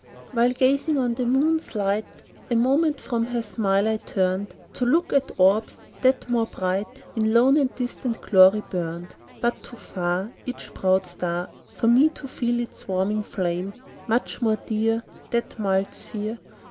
While gazing on the moon's light, A moment from her smile I turned, To look at orbs, that, more bright, In lone and distant glory burned. But too far Each proud star, For me to feel its warming flame; Much more dear That mild sphere.